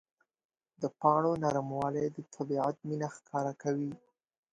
د پاڼو نرموالی د طبیعت مینه ښکاره کوي.